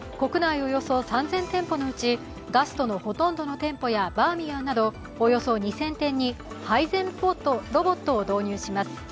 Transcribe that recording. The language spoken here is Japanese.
およそ３０００店舗のうちガストのほとんどの店舗やバーミヤンなどおよそ２０００店に配膳ロボットを導入します。